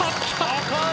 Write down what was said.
高い。